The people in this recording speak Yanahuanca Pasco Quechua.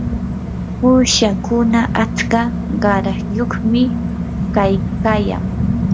uushakuna atska qarashyuqmi kaykayan.